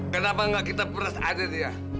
kenapa gak kita beres aja dia